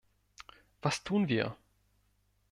Was tun wir?